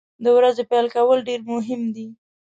د ورځې پیل کول ډیر مهم دي.